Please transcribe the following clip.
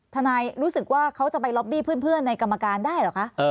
รู้สึกว่าเขาจะไปล็อบบี้เพื่อนในกรรมการได้เหรอคะ